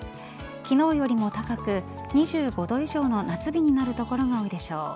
昨日よりも高く２５度以上の夏日になる所が多いでしょう。